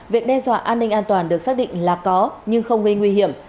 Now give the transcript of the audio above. việc đe dọa an ninh an toàn được xác định là có nhưng không gây nguy hiểm